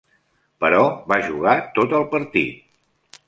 Però va jugar tot el partit.